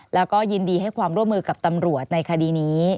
แล้วก็ยินดีให้ความร่วมมือกับตำรวจในคดีนี้